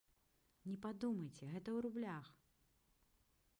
Не падумайце, гэта ў рублях.